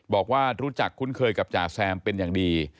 บอกว่ารู้จักคุ้นเคยกับจ่าแซมเป็นอย่างดี